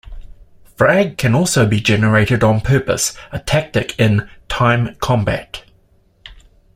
Frag can also be generated on purpose, a tactic in "time combat".